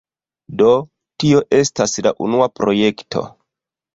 Do, tio estas la unua projekto